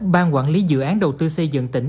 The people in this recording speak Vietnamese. ban quản lý dự án đầu tư xây dựng tỉnh